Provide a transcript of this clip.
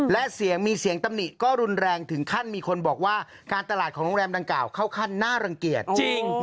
และเสียงมีเสียงตำหนิก็รุนแรงถึงขั้นมีคนบอกว่าการตลาดของโรงแรมดังกล่าวเข้าขั้นน่ารังเกียจจริง